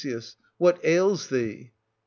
What ails thee? Oe.